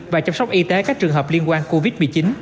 và chăm sóc y tế các trường hợp liên quan covid một mươi chín